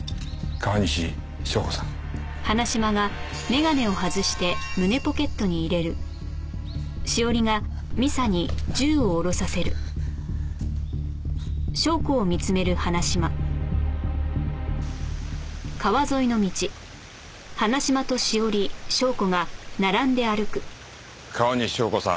川西祥子さん。